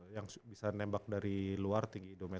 yang bisa nembak dari luar tinggi dua meter